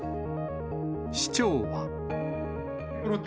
市長は。